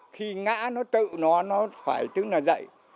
khi ngã nó tự nó nó phải tứ này dạy